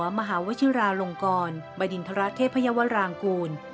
ที่กำราธิวภาวะมหาวชิลาลงกรบดินทรเทพยวร์แรงกูล